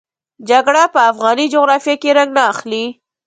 جګړه په افغاني جغرافیه کې رنګ نه اخلي.